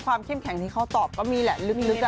เข้มแข็งที่เขาตอบก็มีแหละลึก